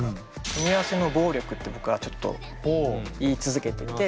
「組み合わせの暴力」って僕はちょっと言い続けていて。